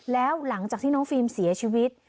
แล้วหลังจากที่น้องฟิล์มเสียชีวิต